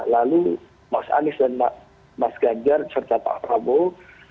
lalu mas anies dan mas ganjar serta pak prabowo